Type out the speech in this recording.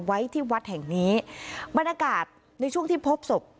ไว้ที่วัดแห่งนี้บรรยากาศในช่วงที่พบศพ